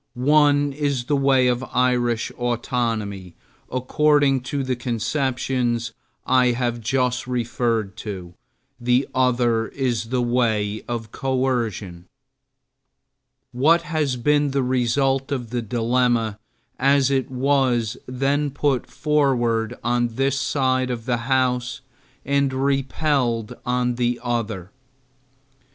One is the way of Irish autonomy according to the conceptions I have just referred to, the other is the way of coercion. What has been the result of the dilemma as it was then put forward on this side of the House and repelled by the other?